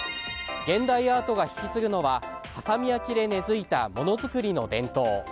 現代アートが引き継ぐのは波佐見焼で根付いたものづくりの伝統。